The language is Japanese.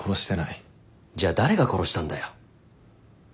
じゃあ誰が殺したんだよ。